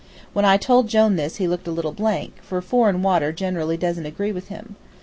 When I told Jone this he looked a little blank, for foreign water generally doesn't agree with him.